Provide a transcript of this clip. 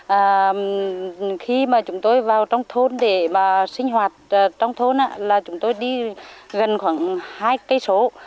và khi mà chúng tôi vào trong thôn để mà sinh hoạt trong thôn là chúng tôi đi gần khoảng hai cây số